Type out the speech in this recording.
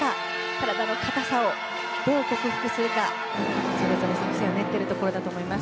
体の硬さをどう克服するか、それぞれ作戦を練っているところだと思います。